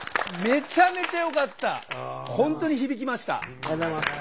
ありがとうございます。